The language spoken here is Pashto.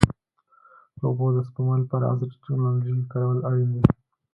د اوبو د سپما لپاره عصري ټکنالوژي کارول اړین دي.